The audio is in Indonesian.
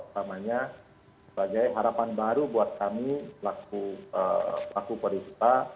pertamanya sebagai harapan baru buat kami pelaku pariwisata